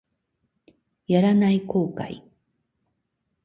やらない後悔